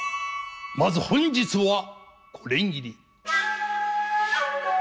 まず本日はこれぎり。